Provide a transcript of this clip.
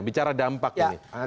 bicara dampak ini